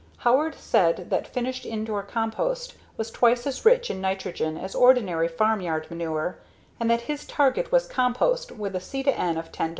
Howard said that finished Indore compost was twice as rich in nitrogen as ordinary farmyard manure and that his target was compost with a C/N of 10:1.